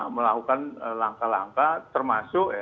melakukan langkah langkah termasuk